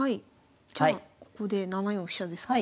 じゃあここで７四飛車ですか。